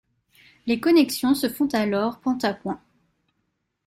Les connexions se font alors point à point.